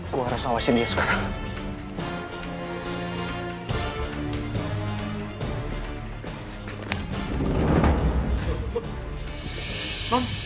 gue harus awasin dia sekarang